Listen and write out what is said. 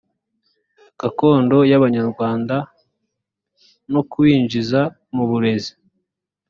gakondo y abanyarwanda no kuwinjiza mu burezi